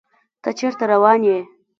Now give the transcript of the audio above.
تۀ چېرته روان يې ؟